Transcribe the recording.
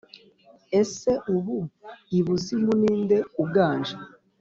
Ese ubu ibuzimu ninde uganje?